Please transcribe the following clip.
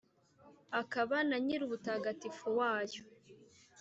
akaba na nyir’ubutagatifu wayo :